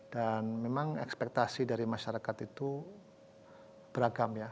dan memang ekspektasi dari masyarakat itu beragam ya